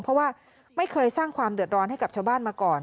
เพราะว่าไม่เคยสร้างความเดือดร้อนให้กับชาวบ้านมาก่อน